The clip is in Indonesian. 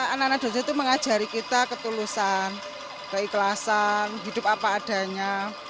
anak anak dosa itu mengajari kita ketulusan keikhlasan hidup apa adanya